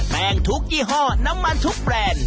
แป้งทุกยี่ห้อน้ำมันทุกแบรนด์